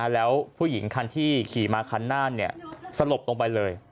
แล้วผู้หญิงคันที่ขี่มาคันหน้าสลบลงไปเลย